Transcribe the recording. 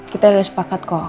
kita udah sepakat kok